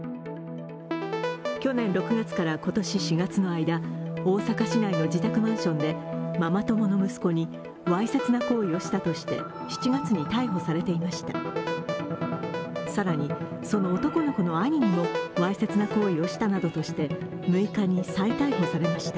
去年６月から今年４月の間、大阪市内の自宅マンションでママ友の息子にわいせつな行為をしたとして７月に逮捕されていました。